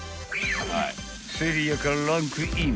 ［セリアからランクイン］